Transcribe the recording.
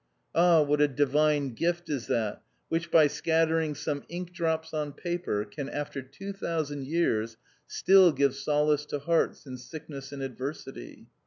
Ah, what a divine gift is that which, by scattering some ink drops on paper, can, after two thousand years, still give solace to hearts in sickness and adver sity